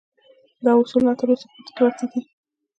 دا اصول لا تر اوسه پټ پاتې دي